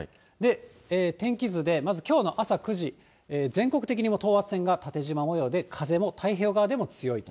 天気図でまずきょうの朝９時、全国的にも等圧線が縦じま模様で、風も太平洋側でも強いと。